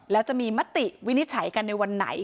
แล้วจะมีมติวินิจฉัยกันในวันไหน